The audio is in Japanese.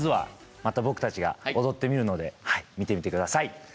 また僕たちが踊ってみるので見ていてください。